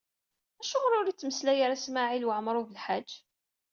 Acuɣeṛ ur ittmeslay ara Smawil Waɛmaṛ U Belḥaǧ?